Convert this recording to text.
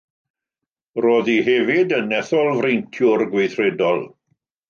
Roedd hi hefyd yn etholfreintiwr gweithredol.